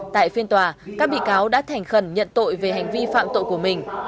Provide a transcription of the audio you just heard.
tại phiên tòa các bị cáo đã thành khẩn nhận tội về hành vi phạm tội của mình